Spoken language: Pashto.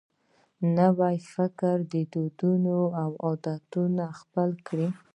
نوي افکار، دودونه او عادتونه خپل کړي.